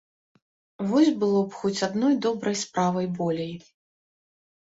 Вось было б хоць адной добрай справай болей.